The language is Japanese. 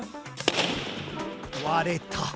割れた。